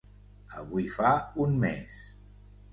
Avui fa un mes.